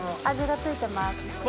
味が付いてます。